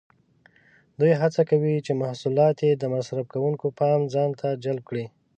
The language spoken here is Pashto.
دوی هڅه کوي چې محصولات یې د مصرف کوونکو پام ځانته جلب کړي.